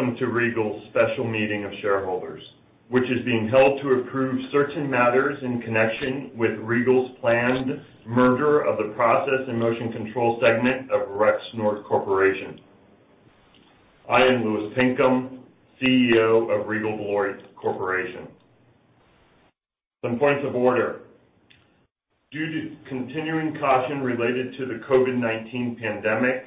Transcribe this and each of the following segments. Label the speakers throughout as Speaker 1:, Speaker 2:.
Speaker 1: Welcome to Regal's special meeting of shareholders, which is being held to approve certain matters in connection with Regal's planned merger of the Process & Motion Control segment of Rexnord Corporation. I am Louis Pinkham, CEO of Regal Beloit Corporation. Some points of order. Due to continuing caution related to the COVID-19 pandemic,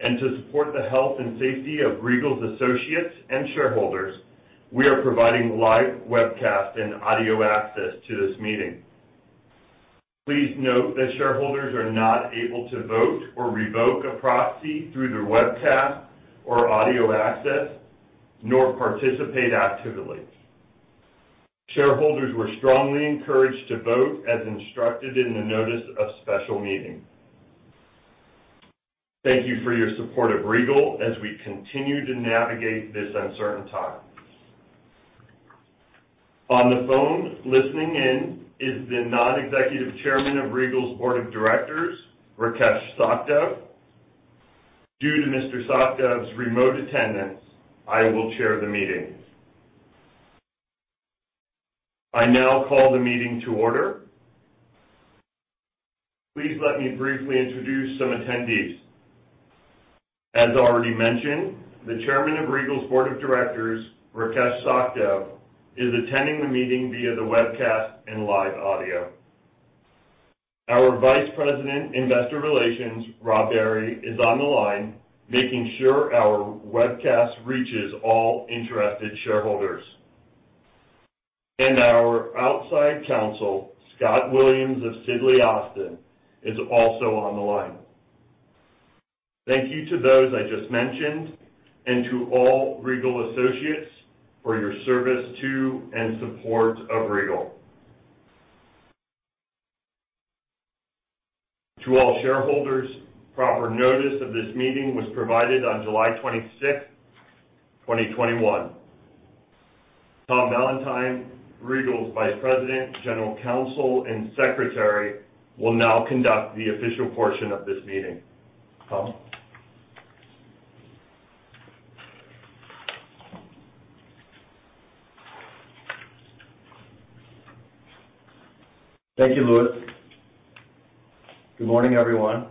Speaker 1: and to support the health and safety of Regal's associates and shareholders, we are providing live webcast and audio access to this meeting. Please note that shareholders are not able to vote or revoke a proxy through their webcast or audio access, nor participate actively. Shareholders were strongly encouraged to vote as instructed in the notice of special meeting. Thank you for your support of Regal as we continue to navigate this uncertain time. On the phone listening in is the Non-Executive Chairman of Regal's Board of Directors, Rakesh Sachdev. Due to Mr. Sachdev's remote attendance, I will chair the meeting. I now call the meeting to order. Please let me briefly introduce some attendees. As already mentioned, the Chairman of Regal's Board of Directors, Rakesh Sachdev, is attending the meeting via the webcast and live audio. Our Vice President, Investor Relations, Robert Barry, is on the line making sure our webcast reaches all interested shareholders. Our outside counsel, Scott Williams of Sidley Austin, is also on the line. Thank you to those I just mentioned and to all Regal associates for your service to and support of Regal. To all shareholders, proper notice of this meeting was provided on July 26th, 2021. Tom Valentine, Regal's Vice President, General Counsel, and Secretary, will now conduct the official portion of this meeting. Tom?
Speaker 2: Thank you, Louis. Good morning, everyone.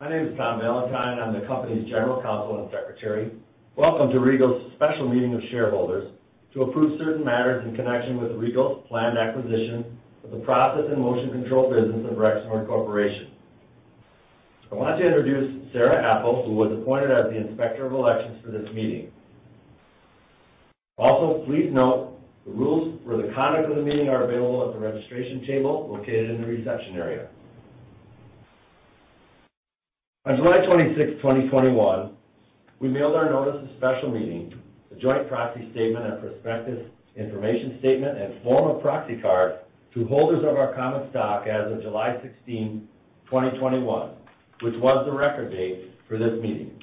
Speaker 2: My name is Tom Valentine. I'm the company's General Counsel and Secretary. Welcome to Regal's special meeting of shareholders to approve certain matters in connection with Regal's planned acquisition of the Process & Motion Control business of Rexnord Corporation. I want to introduce Sarah Abel, who was appointed as the inspector of elections for this meeting. Please note the rules for the conduct of the meeting are available at the registration table located in the reception area. On July 26, 2021, we mailed our notice of special meeting, the joint proxy statement and prospectus information statement, and form of proxy card to holders of our common stock as of July 16, 2021, which was the record date for this meeting.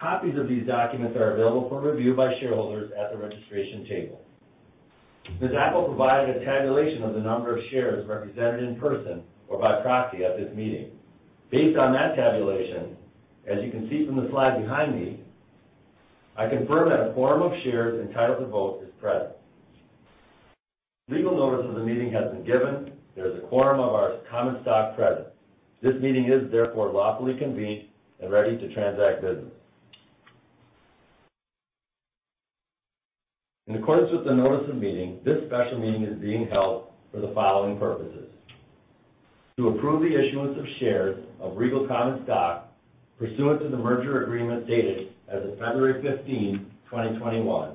Speaker 2: Copies of these documents are available for review by shareholders at the registration table. Ms. Abel provided a tabulation of the number of shares represented in person or by proxy at this meeting. Based on that tabulation, as you can see from the slide behind me, I confirm that a quorum of shares entitled to vote is present. Legal notice of the meeting has been given. There is a quorum of our common stock present. This meeting is therefore lawfully convened and ready to transact business. In accordance with the notice of meeting, this special meeting is being held for the following purposes: to approve the issuance of shares of Regal common stock pursuant to the merger agreement dated as of February 15, 2021,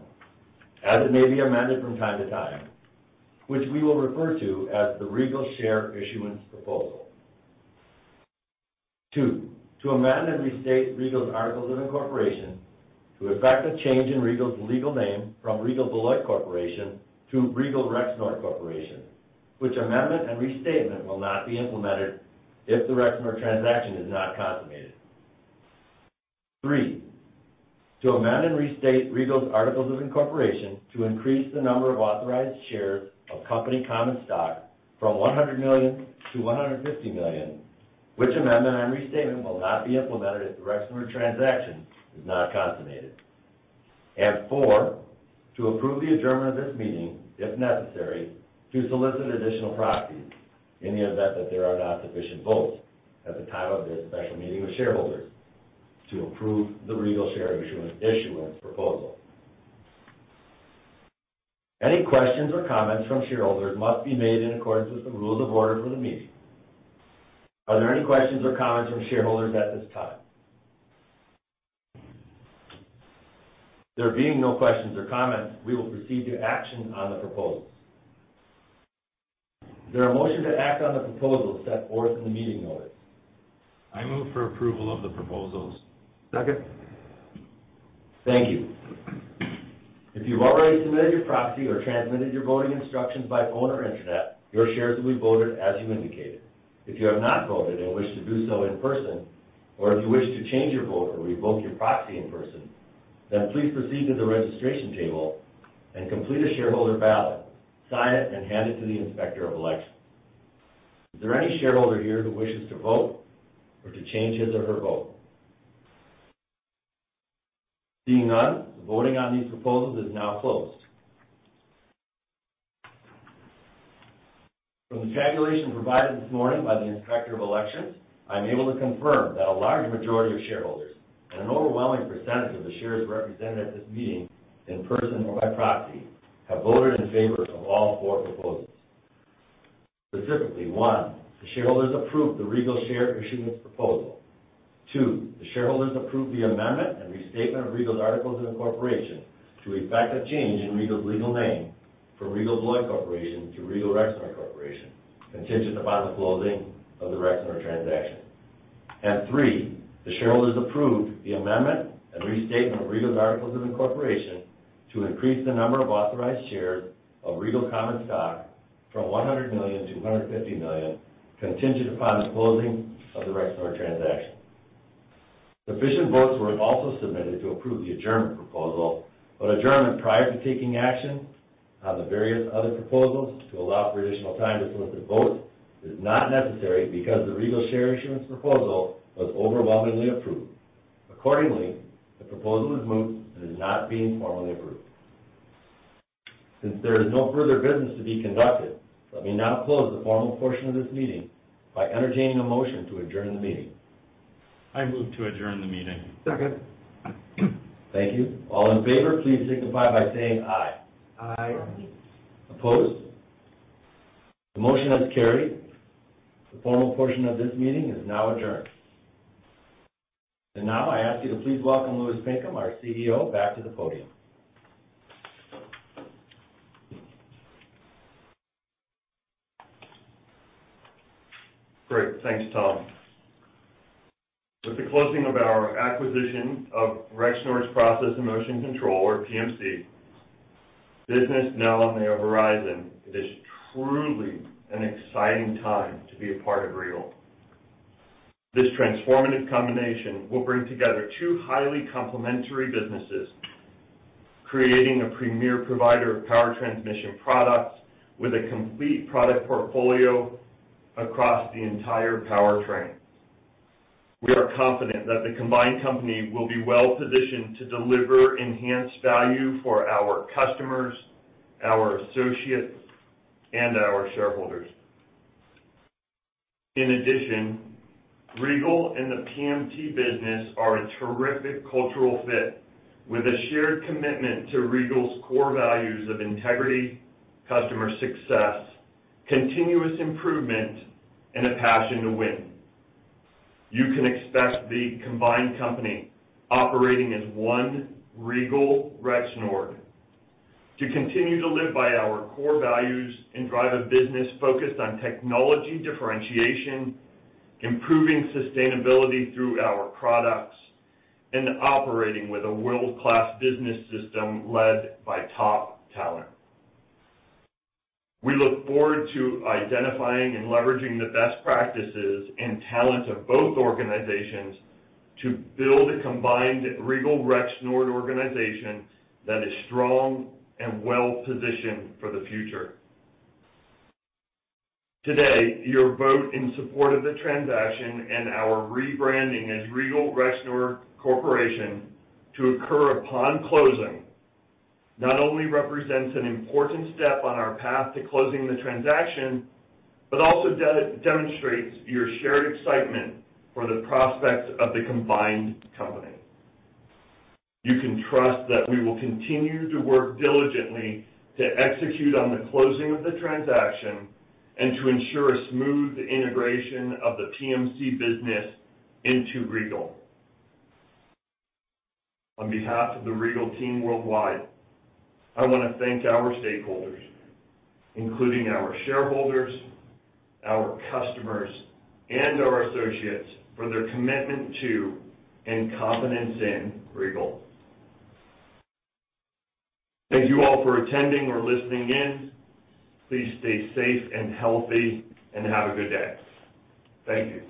Speaker 2: as it may be amended from time to time, which we will refer to as the Regal Share Issuance Proposal. Two, to amend and restate Regal's articles of incorporation to effect a change in Regal's legal name from Regal Beloit Corporation to Regal Rexnord Corporation, which amendment and restatement will not be implemented if the Rexnord transaction is not consummated. Three, to amend and restate Regal's articles of incorporation to increase the number of authorized shares of company common stock from 100 million to 150 million, which amendment and restatement will not be implemented if the Rexnord transaction is not consummated. Four, to approve the adjournment of this meeting, if necessary, to solicit additional proxies in the event that there are not sufficient votes at the time of this special meeting with shareholders to approve the Regal Share Issuance Proposal. Any questions or comments from shareholders must be made in accordance with the rules of order for the meeting. Are there any questions or comments from shareholders at this time? There being no questions or comments, we will proceed to action on the proposals. Is there a motion to act on the proposals set forth in the meeting notice?
Speaker 1: I move for approval of the proposals.
Speaker 3: Second.
Speaker 2: Thank you. If you've already submitted your proxy or transmitted your voting instructions by phone or internet, your shares will be voted as you indicated. If you have not voted and wish to do so in person, or if you wish to change your vote or revoke your proxy in person, then please proceed to the registration table and complete a shareholder ballot, sign it, and hand it to the inspector of election. Is there any shareholder here who wishes to vote or to change his or her vote? Seeing none, the voting on these proposals is now closed. From the tabulation provided this morning by the inspector of elections, I am able to confirm that a large majority of shareholders and an overwhelming percentage of the shares represented at this meeting, in person or by proxy, have voted in favor of all four proposals. Specifically, one, the shareholders approved the Regal Share Issuance Proposal. Two, the shareholders approved the amendment and restatement of Regal's articles of incorporation to effect a change in Regal's legal name from Regal Beloit Corporation to Regal Rexnord Corporation, contingent upon the closing of the Rexnord transaction. And three, the shareholders approved the amendment and restatement of Regal's articles of incorporation to increase the number of authorized shares of Regal common stock from 100 million to 150 million, contingent upon the closing of the Rexnord transaction. Sufficient votes were also submitted to approve the adjournment proposal, but adjournment prior to taking action on the various other proposals to allow for additional time to solicit votes is not necessary because the Regal Share Issuance Proposal was overwhelmingly approved. Accordingly, the proposal is moot and is not being formally approved. Since there is no further business to be conducted, let me now close the formal portion of this meeting by entertaining a motion to adjourn the meeting.
Speaker 1: I move to adjourn the meeting.
Speaker 3: Second.
Speaker 2: Thank you. All in favor, please signify by saying aye. Aye.
Speaker 3: Aye.
Speaker 2: Opposed? The motion has carried. The formal portion of this meeting is now adjourned. Now I ask you to please welcome Louis Pinkham, our CEO, back to the podium.
Speaker 1: Great. Thanks, Tom. With the closing of our acquisition of Rexnord's Process & Motion Control, or PMC, business now on the horizon, it is truly an exciting time to be a part of Regal. This transformative combination will bring together two highly complementary businesses, creating a premier provider of power transmission products with a complete product portfolio across the entire powertrain. We are confident that the combined company will be well-positioned to deliver enhanced value for our customers, our associates, and our shareholders. In addition, Regal and the PMC business are a terrific cultural fit with a shared commitment to Regal's core values of integrity, customer success, continuous improvement, and a passion to win. You can expect the combined company operating as one Regal Rexnord to continue to live by our core values and drive a business focused on technology differentiation, improving sustainability through our products, and operating with a world-class business system led by top talent. We look forward to identifying and leveraging the best practices and talents of both organizations to build a combined Regal Rexnord organization that is strong and well-positioned for the future. Today, your vote in support of the transaction and our rebranding as Regal Rexnord Corporation to occur upon closing not only represents an important step on our path to closing the transaction, but also demonstrates your shared excitement for the prospects of the combined company. You can trust that we will continue to work diligently to execute on the closing of the transaction and to ensure a smooth integration of the PMC business into Regal. On behalf of the Regal team worldwide, I want to thank our stakeholders, including our shareholders, our customers, and our associates for their commitment to, and confidence in, Regal. Thank you all for attending or listening in. Please stay safe and healthy, and have a good day. Thank you.